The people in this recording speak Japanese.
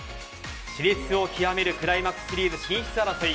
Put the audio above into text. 熾烈を極めるクライマックスシリーズ進出争い。